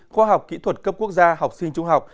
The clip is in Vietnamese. khoa học kỹ thuật cấp quốc gia học sinh trung học